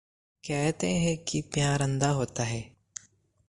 कहते हैं कि प्यार अंधा होता है।